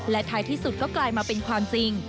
และท้ายที่สุดก็กลายมาเป็นความจริง